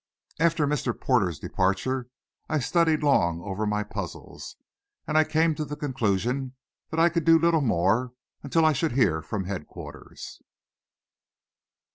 After Mr. Porter's departure I studied long over my puzzles, and I came to the conclusion that I could do little more until I should hear from headquarters.